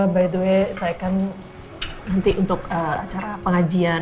by the way saya kan nanti untuk acara pengajian